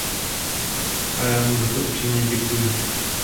A já mu za to upřímně děkuji.